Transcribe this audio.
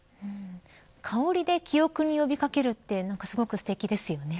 香りで記憶に呼びかけるって何かすごくすてきですよね。